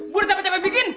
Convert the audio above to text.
boleh capek capek bikin